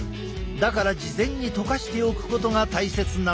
だから事前にとかしておくことが大切なのだ。